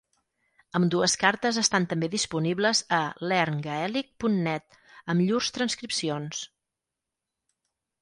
Ambdues cartes estan també disponibles a learngaelic.net, amb llurs transcripcions.